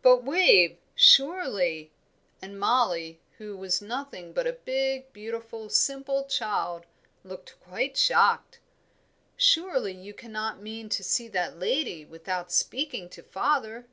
"But Wave, surely" and Mollie, who was nothing but a big, beautiful, simple child, looked quite shocked "surely you cannot mean to see that lady without speaking to father!"